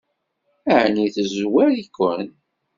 Ɛni tezwar-iken?